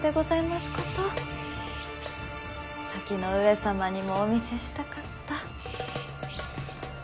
先の上様にもお見せしたかった。